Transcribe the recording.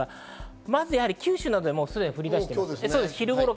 まず九州などで、すでに降りだしています。